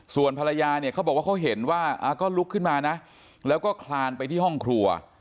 ส่วนภรรยาเนี่ยเขาบอกว่าเขาเห็นว่าก็ลุกขึ้นมานะแล้วก็คลานไปที่ห้องครัว